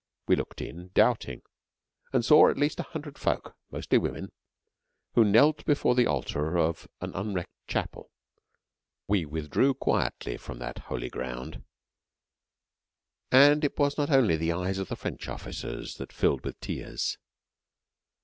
We looked in, doubting, and saw at least a hundred folk, mostly women, who knelt before the altar of an unwrecked chapel. We withdrew quietly from that holy ground, and it was not only the eyes of the French officers that filled with tears.